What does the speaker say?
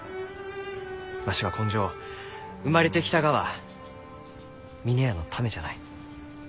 わしは今生生まれてきたがは峰屋のためじゃない。